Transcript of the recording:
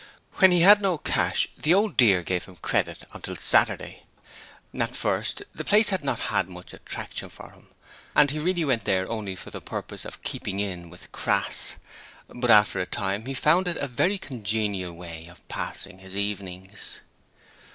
When he had no cash the Old Dear gave him credit until Saturday. At first, the place had not had much attraction for him, and he really went there only for the purpose of 'keeping in' with Crass: but after a time he found it a very congenial way of passing his evenings...